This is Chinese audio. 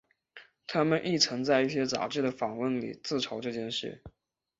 他们亦曾在一些杂志的访问里自嘲这件事。